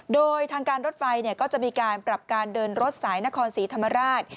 โดยทางการรถไฟก็จะมีการปรับการเดินรถสายนครศรีธรรมราช